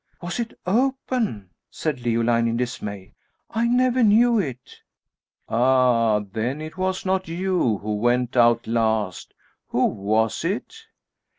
"Was it open?" said Leoline, in dismay. "I never knew it." "Ah! then it was not you who went out last. Who was it?"